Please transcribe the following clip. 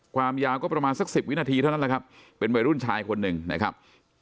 ความยาวก็ประมาณสัก๑๐วินาทีเท่านั้นแหละครับเป็นวัยรุ่นชายคนหนึ่งนะครับ